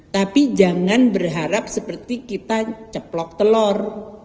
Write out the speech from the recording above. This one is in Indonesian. tapi jangan berharap seperti kita ceplok telur